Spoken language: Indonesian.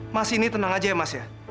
mas ini tenang aja ya mas ya